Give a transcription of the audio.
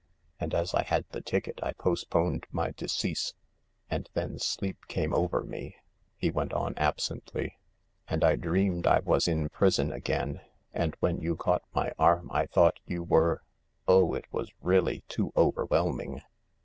And as I had the ticket I post poned my decease. And then sleep came over me," he went on absently, "and I dreamed I was in prison again ^antf THE LARK when you caught my arm I thought you were ... Oh, it was really too overwhelming."